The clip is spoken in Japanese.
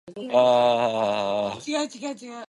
川崎市中原区には等々力陸上競技場があります。